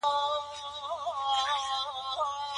علمي مجله په چټکۍ نه ارزول کیږي.